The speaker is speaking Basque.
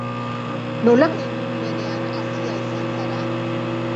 Nolako ingurumenean hazia izan zara?